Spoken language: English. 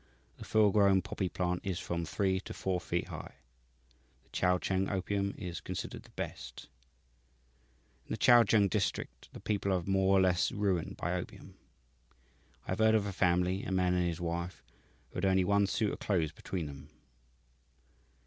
The full grown poppy plant is from three to four feet high. The Chao Cheng opium is considered the best. "In the Chao Cheng district the people have been more or less ruined by opium. I have heard of a family, a man and his wife, who had only one suit of clothes between them.